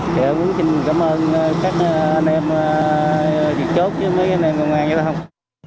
vậy mình cũng xin cảm ơn các anh em việt chốt với mấy anh em công an cho đồng